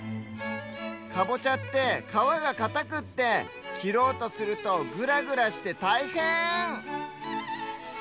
かぼちゃってかわがかたくってきろうとするとグラグラしてたいへん！